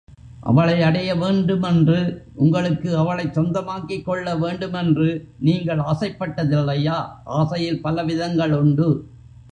அவளை அடைய வேண்டுமென்று உங்களுக்கு அவளைச் சொந்தமாக்கிக் கொள்ள வேண்டுமென்று நீங்கள் ஆசைப்பட்ட தில்லையா? ஆசையில் பல விதங்களுண்டு.